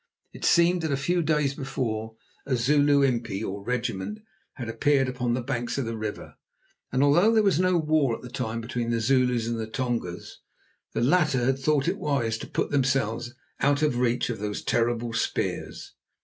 It seemed that a few days before a Zulu impi or regiment had appeared upon the banks of the river, and although there was no war at the time between the Zulus and the Tongas, the latter had thought it wise to put themselves out of reach of those terrible spears.